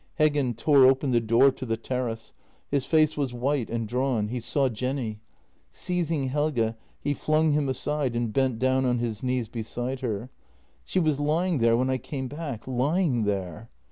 Heggen tore open the door to the terrace. His face was white and drawn. He saw Jenny. Seizing Helge, he flung him aside and bent down on his knees beside her. " She was lying there when I came back — lying there.